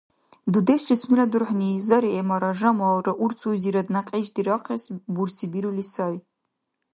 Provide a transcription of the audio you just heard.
Дудешли сунела дурхӀни Заремара Жамалра урцуйзирад някьиш дирахъес бурсибирули сай.